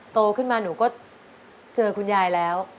โตขึ้นมาหนูก็เจอคุณยายแล้ว